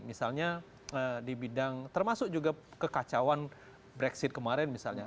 misalnya di bidang termasuk juga kekacauan brexit kemarin misalnya